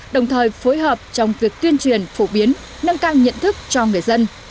đồng thời phối hợp trong việc tuyên truyền phổ biến nâng cao nhận thức cho người dân